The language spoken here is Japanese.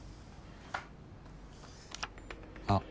あっ。